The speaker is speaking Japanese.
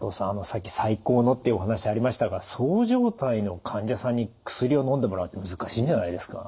さっき「最高の」っていうお話ありましたがそう状態の患者さんに薬をのんでもらうって難しいんじゃないですか？